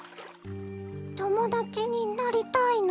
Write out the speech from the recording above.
ともだちになりたいの？